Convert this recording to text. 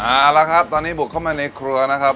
เอาละครับตอนนี้บุกเข้ามาในครัวนะครับ